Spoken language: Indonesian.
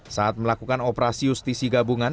saat melakukan operasi justisi gabungan